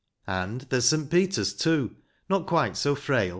And there's St. Peter's, too, not quite so frail.